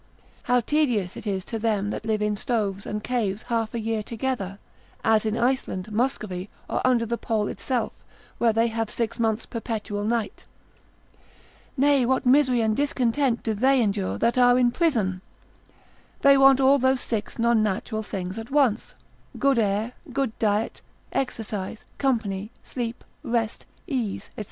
how tedious is it to them that live in stoves and caves half a year together? as in Iceland, Muscovy, or under the pole itself, where they have six months' perpetual night. Nay, what misery and discontent do they endure, that are in prison? They want all those six non natural things at once, good air, good diet, exercise, company, sleep, rest, ease, &c.